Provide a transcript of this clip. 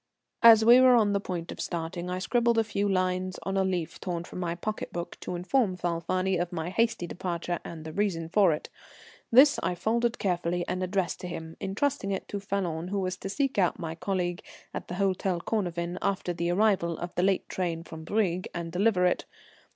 As we were on the point of starting, I scribbled a few lines on a leaf torn from my pocket book to inform Falfani of my hasty departure and the reason for it. This I folded carefully and addressed to him, entrusting it to Falloon, who was to seek out my colleague at the Hôtel Cornavin after the arrival of the late train from Brieg, and deliver it.